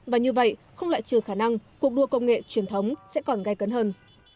và như vậy không lại trừ khả năng cuộc đua công nghệ truyền thống sẽ còn gai cấn hơn